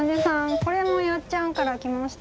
これもやっちゃんから来ました。